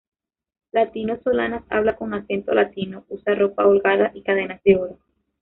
Latino Solanas habla con acento "latino", usa ropa holgada y cadenas de oro.